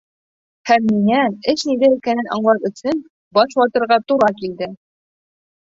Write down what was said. Һәм миңә, эш ниҙә икәнен аңлар өсөн, баш ватырға тура килде.